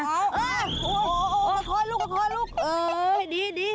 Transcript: โอ้โหโอ้โหขอลูกเออดี